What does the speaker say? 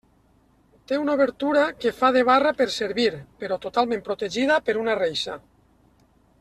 Té una obertura que fa de barra per servir, però totalment protegida per una reixa.